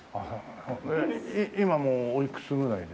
今もうおいくつぐらいで？